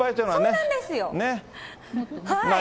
そうなんですよ。